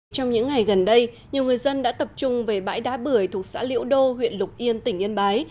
trong những ngày gần đây nhiều người dân đã tập trung về bãi đá bưởi thuộc xã liễu đô huyện lục yên tỉnh yên bái